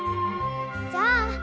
じゃあ。